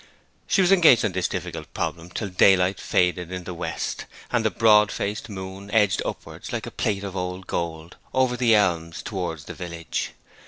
She was engaged on this difficult problem till daylight faded in the west, and the broad faced moon edged upwards, like a plate of old gold, over the elms towards the village.